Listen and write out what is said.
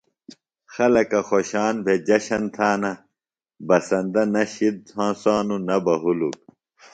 خلکہ خوشان بھےۡ جشن تھانہ۔ بسندہ نہ شِد ہنسانوۡ نہ بہ ہُلک۔